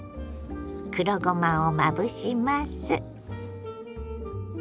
黒ごまをまぶします。